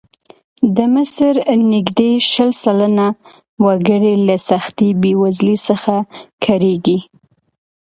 د مصر نږدې شل سلنه وګړي له سختې بېوزلۍ څخه کړېږي.